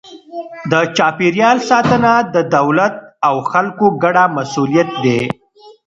د چاپیریال ساتنه د دولت او خلکو ګډه مسئولیت دی.